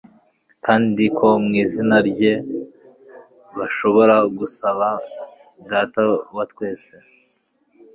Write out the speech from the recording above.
kandi ko mu izina rye bashobora gusaba Data wa twese;